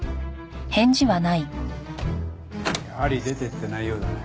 やはり出ていってないようだね。